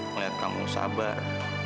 ngeliat kamu sabar